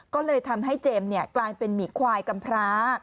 ก็เลยทำให้เจมส์กลายเป็นหมีควายกำพร้า